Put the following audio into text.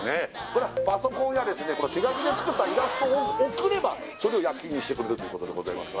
これはパソコンや手描きで作ったイラストを送ればそれを焼印にしてくれるということでございます